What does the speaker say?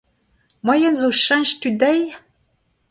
Moaien zo cheñch tu dezhi?